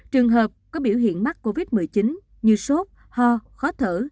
trường hợp có biểu hiện mắc covid một mươi chín như sốt ho khó thở